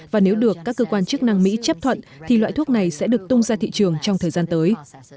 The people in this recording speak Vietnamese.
và nếu được các cơ quan chức năng mỹ chấp thuận thì loại thuốc này sẽ được tung ra thị trường trong thời gian tới